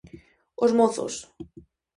Os mozos.